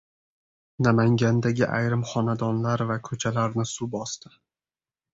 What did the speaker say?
Namangandagi ayrim xonadonlar va ko‘chalarni suv bosdi